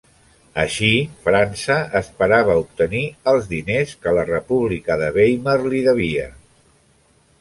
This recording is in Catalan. Així, França esperava obtenir els diners que la República de Weimar li devia.